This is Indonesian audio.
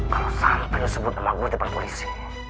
kalau santai lo sebut nama gue depan polisi